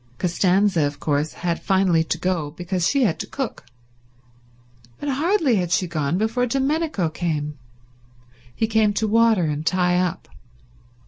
Costanza of course had finally to go because she had to cook, but hardly had she gone before Domenico came. He came to water and tie up.